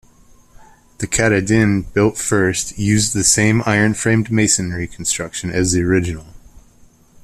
The Katahdin, built first, used the same iron framed masonry construction as the original.